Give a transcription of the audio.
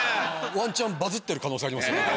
ワンチャンバズってる可能性ありますね。